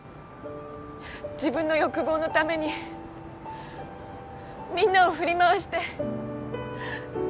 自分の欲望のためにみんなを振り回して。